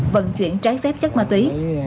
vận chuyển trái phép chất ma túy